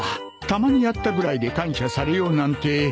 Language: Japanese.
たまにやったぐらいで感謝されようなんて